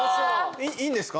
いいんですか？